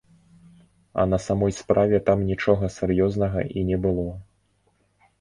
А на самой справе там нічога сур'ёзнага і не было.